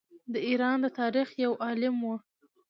د ایران د تاریخ یو عالم وو.